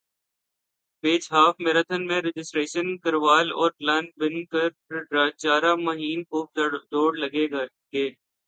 بیچ half marathon میں registration کروال اور پلان بن کہہ چارہ مہین خوب دوڑ لگ گے